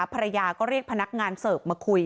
ภรรยาก็เรียกพนักงานเสิร์ฟมาคุย